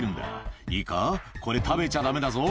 「いいかこれ食べちゃダメだぞ」